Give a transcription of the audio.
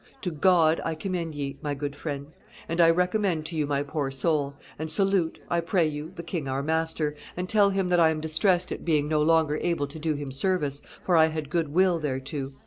To God I commend ye, my good friends; and I recommend to you my poor soul; and salute, I pray you, the king our master, and tell him that I am distressed at being no longer able to do him service, for I had good will thereto.